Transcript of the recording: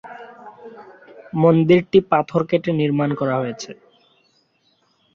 মন্দিরটি পাথর কেটে নির্মাণ করা হয়েছে।